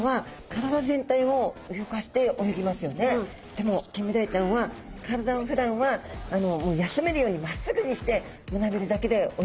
でもキンメダイちゃんは体をふだんはもう休めるようにまっすぐにして胸びれだけで泳ぐわけですね。